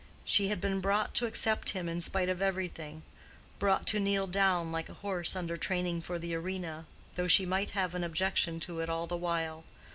She had been brought to accept him in spite of everything—brought to kneel down like a horse under training for the arena, though she might have an objection to it all the while.